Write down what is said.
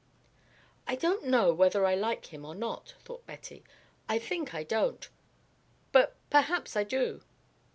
"I don't know whether I like him or not," thought Betty. "I think I don't but perhaps I do.